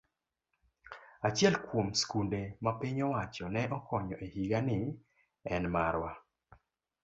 Achiel kuom skunde ma piny owacho ne okonyo e higani en marwa.